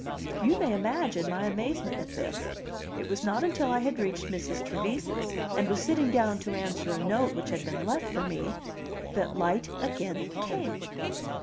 You may imagine my amazement at this. It was not until I had reached Mrs. Trevise's, and was sitting down to answer a note which had been left for me, that light again came.